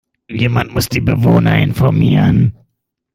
Jemand muss die Bewohner informieren.